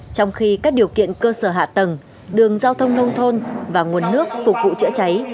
trong khi các điều kiện cơ sở hạ tầng đường giao thông nông thôn và nguồn nước phục vụ chữa cháy